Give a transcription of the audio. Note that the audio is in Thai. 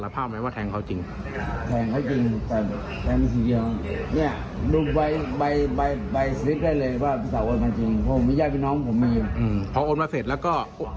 พอโอนมาเสร็จแล้วก็